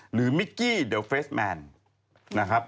หรือมิกกี้เดอะเฟสแมนนะครับ